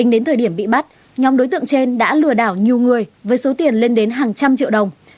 đến thời điểm bị bắt nhóm đối tượng trên đã lừa đảo nhiều người với số tiền lên đến hàng trăm triệu đồng